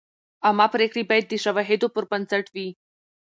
عامه پریکړې باید د شواهدو پر بنسټ وي.